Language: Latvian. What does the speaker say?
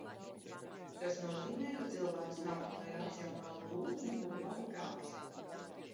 Tas nozīmē, ka cilvēks nav tikai racionāla būtne, kuru vada prāts